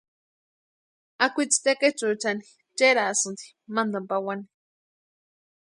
Akwitsi tekechuechani cherasïnti mantani pawani.